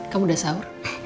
kamu udah sahur